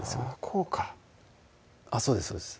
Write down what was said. こうかそうですそうです